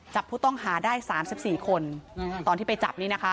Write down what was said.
จับผู้ต้องหาได้๓๔คนตอนที่ไปจับนี่นะคะ